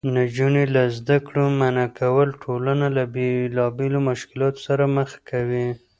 نجونې له زده کړو منعه کول ټولنه له بېلابېلو مشکلاتو سره مخ کوي.